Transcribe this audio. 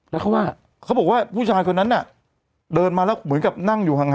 แล้วเขาว่าเขาบอกว่าผู้ชายคนนั้นน่ะเดินมาแล้วเหมือนกับนั่งอยู่ห่าง